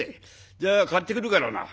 じゃあ買ってくるからな。